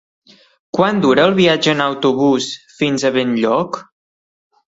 Quant dura el viatge en autobús fins a Benlloc?